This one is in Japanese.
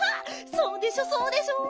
そうでしょそうでしょ？